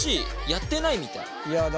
やってないみたい。